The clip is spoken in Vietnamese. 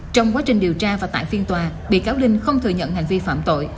trong quá trình điều tra và tại phiên tòa bị cáo linh không thừa nhận hành vi phạm tội